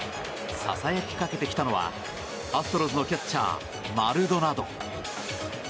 ささやきかけてきたのはアストロズのキャッチャーマルドナド。